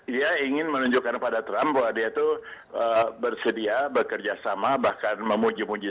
dia ingin menunjukkan kepada trump bahwa dia itu bersedia bekerja sama bahkan memuji muji